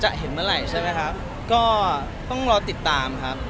อ๋อจะเห็นเมื่อไหรยใช่มั้ยครับก็ต้องรอติดตามครับ